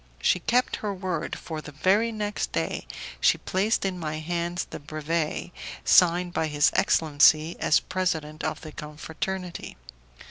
She kept her word, for the very next day she placed in my hands the brevet, signed by his excellency as president of the confraternity.